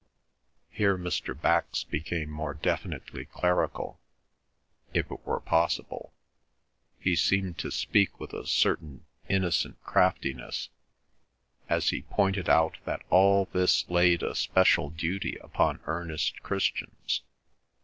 Here Mr. Bax became more definitely clerical, if it were possible, he seemed to speak with a certain innocent craftiness, as he pointed out that all this laid a special duty upon earnest Christians.